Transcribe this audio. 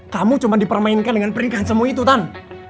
kamu cuma dipermainkan dengan peringkat semua itu tan